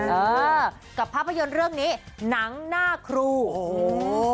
เออกับภาพยนตร์เรื่องนี้หนังหน้าครูโอ้โห